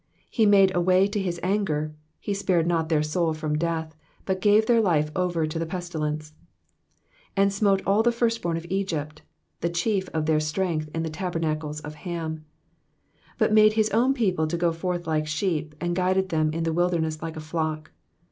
50 He made a way to his anger ; he spared not their soul from death, but gave their life over to the pestilence ; 5 1 And smote all the firstborn in Egypt ; the chief of t/ieir strength in the tabernacles of Ham : 52 But made his own people to go forth like sheep, and g uided them in the wilderness like a flock.